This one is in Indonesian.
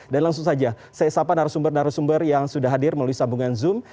dan langsung saja saya sapa narasumber narasumber yang sudah hadir melalui sambungan zoom